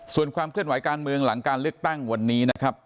ส่วนความเคลื่อนไหวการเมืองหลังการเลือกตั้งวันนี้นะครับ